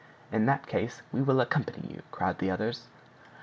"In that case we will accompany you," cried the others.